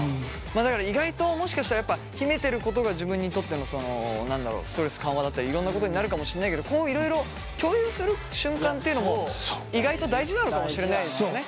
だから意外ともしかしたらやっぱ秘めてることが自分にとってのストレス緩和だったりいろんなことになるかもしれないけどこういろいろ共有する瞬間っていうのも意外と大事なのかもしれないですよね。